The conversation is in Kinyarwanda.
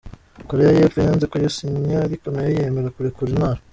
Korea y’epfo yanze kuyasinya ariko nayo yemera kurekura intwaro.